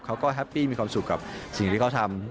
เขาก็แฮปปี้มีความสุขกับสิ่งที่เขาทำ